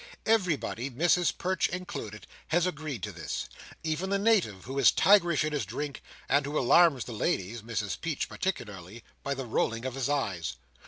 Everybody (Mrs Perch included) has agreed to this; even the Native, who is tigerish in his drink, and who alarms the ladies (Mrs Perch particularly) by the rolling of his eyes.